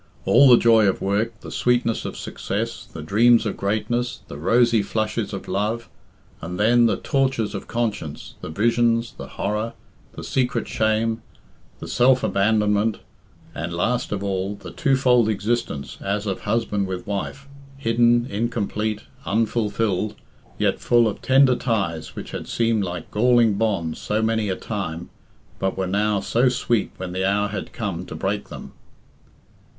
All the joy of work, the sweetness of success, the dreams of greatness, the rosy flushes of love, and then the tortures of conscience, the visions, the horror, the secret shame, the self abandonment, and, last of all, the twofold existence as of husband with wife, hidden, incomplete, unfulfilled, yet full of tender ties which had seemed like galling bonds so many a time, but were now so sweet when the hour had come to break them.